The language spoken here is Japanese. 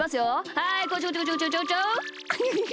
はいこちょこちょこちょこちょ。